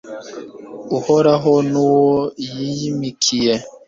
uhoraho n'uwo yiyimikiye